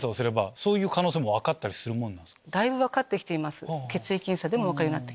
だいぶ分かってきています。